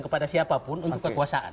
kepada siapapun untuk kekuasaan